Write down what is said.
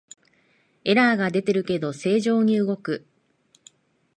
エラーが出てるけど正常に動く